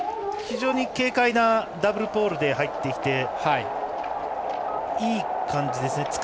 非常に軽快なダブルポールで入ってきていい感じですね。